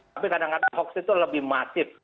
tapi kadang kadang hoax itu lebih masif